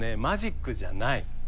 マジックじゃない。